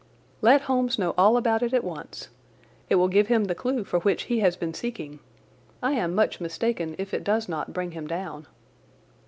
"Let Holmes know all about it at once. It will give him the clue for which he has been seeking. I am much mistaken if it does not bring him down."